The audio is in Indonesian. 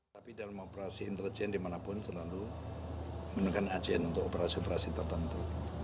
tapi dalam operasi intelijen dimanapun selalu menekan acn untuk operasi operasi tertentu